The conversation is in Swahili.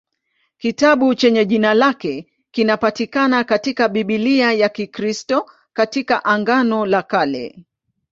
Kitabu chenye jina lake kinapatikana katika Biblia ya Kikristo katika Agano la Kale.